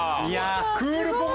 クールポコ。